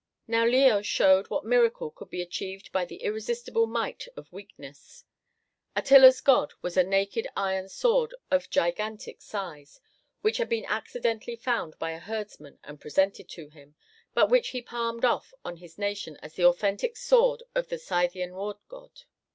Now Leo showed what miracle could be achieved by the irresistible might of weakness. Attila's god was a naked iron sword of gigantic size, which had been accidentally found by a herdsman and presented to him, but which he palmed off on his nation as the authentic sword of the Scythian war god.